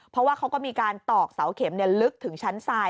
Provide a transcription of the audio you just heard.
เพราะว่าเขาก็มีการตอกเสาเข็มลึกถึงชั้นทราย